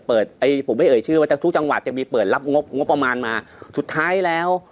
ผมไม่เอ่ยชื่อว่าทั้งทุกจังหวัดจะมีเปิดรับงบงบประมาณมาสุดท้ายแล้ว